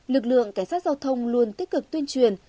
lực lượng cảnh sát giao thông luôn tích cực tuyên truyền